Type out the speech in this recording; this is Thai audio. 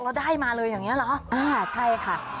เราได้มาเลยอย่างนี้เหรออ้าวใช่ค่ะใช่